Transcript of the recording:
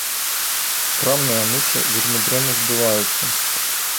Крамныя анучы вельмі дрэнна збываюцца.